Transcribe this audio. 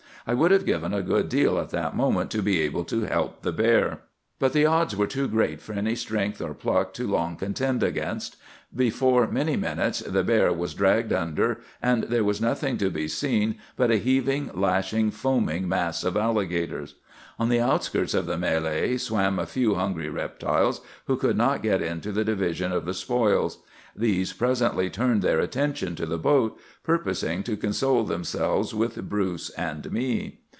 I would have given a good deal at that moment to be able to help the bear. "But the odds were too great for any strength or pluck to long contend against. Before many minutes the bear was dragged under, and there was nothing to be seen but a heaving, lashing, foaming mass of alligators. On the outskirts of the mêlée swam a few hungry reptiles, who could not get in to the division of the spoils. These presently turned their attention to the boat, purposing to console themselves with Bruce and me.